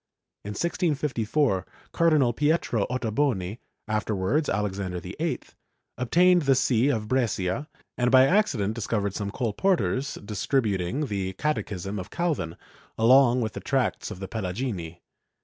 In 1654, Cardinal Pietro Ottoboni (afterwards Alexander VIII) obtained the see of Brescia and by accident discovered some col porteurs distributing the Catechism of Calvin, along with the tracts of the Pelagini.